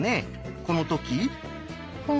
この時。